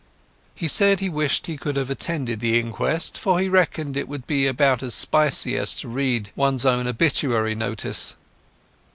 He said he wished he could have attended the inquest, for he reckoned it would be about as spicy as to read one's own obituary notice.